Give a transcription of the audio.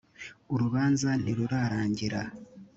urubanza ntirurarangira.